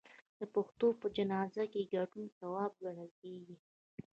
د پښتنو په جنازه کې ګډون ثواب ګڼل کیږي.